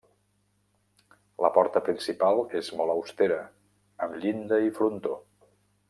La porta principal és molt austera, amb llinda i frontó.